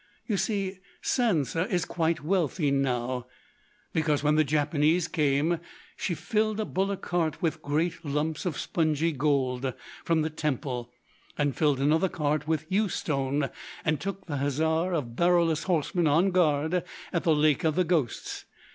You see, Sansa is quite wealthy now, because when the Japanese came she filled a bullock cart with great lumps of spongy gold from the Temple and filled another cart with Yu stone, and took the Hezar of Baroulass horsemen on guard at the Lake of the Ghosts.